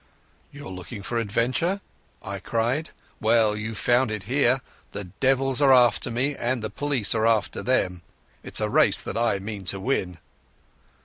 "You're looking for adventure," I cried; "well, you've found it here. The devils are after me, and the police are after them. It's a race that I mean to win."